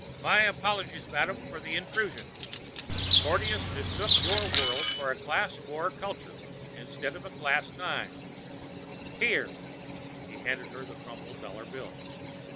"My apologies, madam, for the intrusion. Porteous mistook your world for a Class IV culture, instead of a Class VII. Here " He handed her the crumpled dollar bill.